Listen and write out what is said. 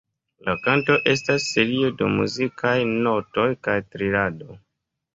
La kanto estas serio de muzikaj notoj kaj trilado.